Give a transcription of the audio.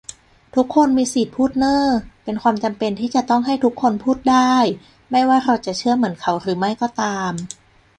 ทุกคนมีสิทธิพูดเน้อ เป็นความจำเป็นที่จะต้องให้ทุกคนพูดได้ ไม่ว่าเราจะเชื่อเหมือนเขาหรือไม่ก็ตาม